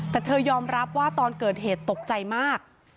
แต่เธอยอมรับว่าตอนเกิดเหตุตกใจมาก